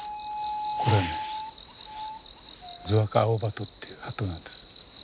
これねズアカアオバトというハトなんです。